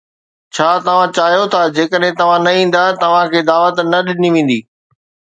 ڇا توهان چاهيو ٿا جيڪڏهن توهان نه ايندا، توهان کي دعوت نه ڏني ويندي